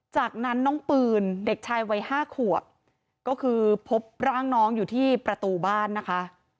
จากนั้นน้องปืนเด็กชายวัย๕ขวบก็คือพบร่างน้องอยู่ที่ประตูบ้านนะคะ